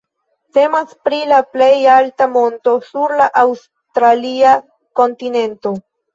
Temas pri la plej alta monto sur la aŭstralia kontinento.